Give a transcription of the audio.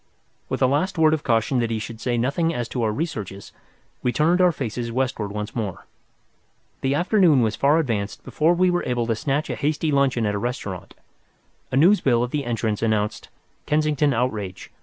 With a last word of caution that he should say nothing as to our researches, we turned our faces westward once more. The afternoon was far advanced before we were able to snatch a hasty luncheon at a restaurant. A news bill at the entrance announced "Kensington Outrage.